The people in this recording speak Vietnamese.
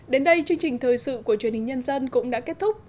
đến đây chương trình thời sự của truyền hình nhân dân cũng đã kết thúc